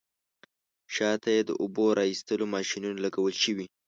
شاته یې د اوبو را ایستلو ماشینونه لګول شوي.